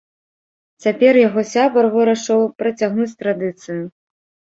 Цяпер яго сябар вырашыў працягнуць традыцыю.